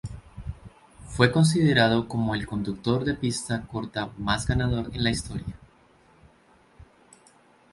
Fue considerado como el conductor de pista corta más ganador en la historia.